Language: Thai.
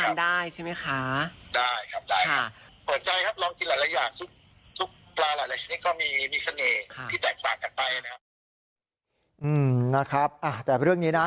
นะครับแต่เรื่องนี้นะ